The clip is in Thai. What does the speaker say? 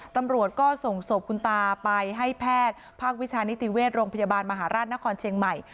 ตำรวจก็ส่งศพคุณตาไปให้แพทย์ภาควิชานิติเวชโรงพยาบาลมหาราชนครเชียงใหม่